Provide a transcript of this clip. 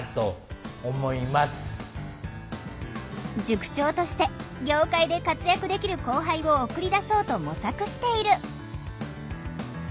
塾長として業界で活躍できる後輩を送り出そうと模索している。